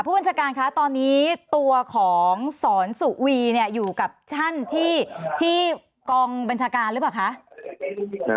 บัญชาการคะตอนนี้ตัวของสอนสุวีอยู่กับท่านที่กองบัญชาการหรือเปล่าคะ